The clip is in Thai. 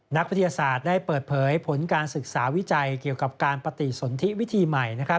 นักวิทยาศาสตร์ได้เปิดเผยผลการศึกษาวิจัยเกี่ยวกับการปฏิสนทิวิธีใหม่